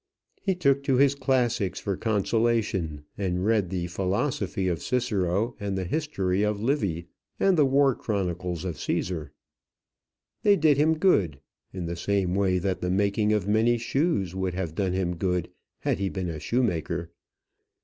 He took to his classics for consolation, and read the philosophy of Cicero, and the history of Livy, and the war chronicles of Cæsar. They did him good, in the same way that the making of many shoes would have done him good had he been a shoemaker.